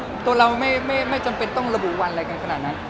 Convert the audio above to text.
ซามก็ได้ถ้าจะคบหรือว่าตัวเราไม่จำเป็นต้องระบุวันอะไรกันขนาดนั้น